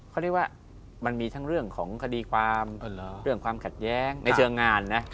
เขาเรียกว่ามันมีทั้งเรื่องของคดีความเรื่องความขัดแย้งในเชิงงานนะ